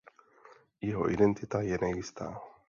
Jeho identita je nejistá.